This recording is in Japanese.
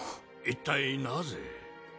一体なぜ？